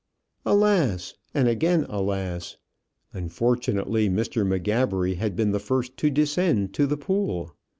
Alas! and again alas! Unfortunately, Mr. M'Gabbery had been the first to descend to the pool.